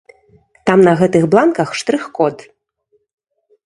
Там на гэтых бланках штрых-код.